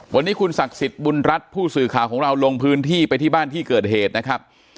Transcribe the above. วันนี้คุณศักดิ์สิทธิ์บุญรัฐผู้สื่อข่าวของเราลงพื้นที่ไปที่บ้านที่เกิดเหตุนะครับ